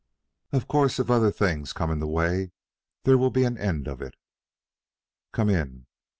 Of course if other things come in the way there will be an end of it. Come in."